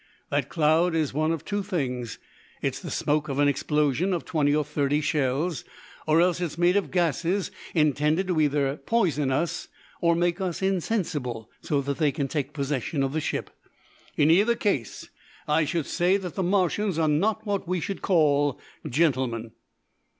That cloud is one of two things it's the smoke of the explosion of twenty or thirty shells, or else it's made of gases intended to either poison us or make us insensible, so that they can take possession of the ship. In either case I should say that the Martians are not what we should call gentlemen."